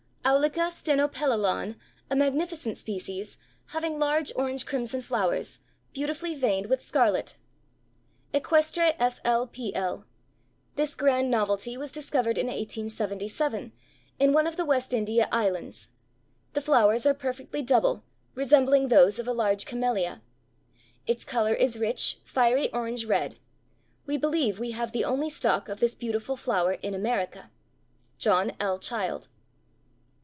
Aulica Stenopelalon, a magnificent species, having large orange crimson flowers, beautifully veined with scarlet. "Equestre fl. pl. This grand novelty was discovered in 1877, in one of the West India Islands. The flowers are perfectly double, resembling those of a large Camellia. Its color is rich, fiery orange red. We believe we have the only stock of this beautiful flower in America." JOHN L. CHILD.